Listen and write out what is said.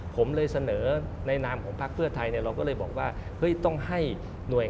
ผมเลยเสนอในนามของภาคเพื่อไทย